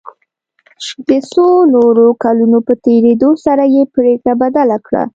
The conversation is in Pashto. د څو نورو کلونو په تېرېدو سره یې پريکړه بدله کړه.